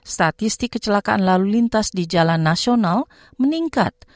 statistik kecelakaan lalu lintas di jalan nasional meningkat